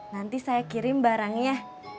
nanti saya kirim barangnya